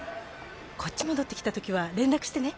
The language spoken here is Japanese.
こっち戻ってきた時は連絡してね。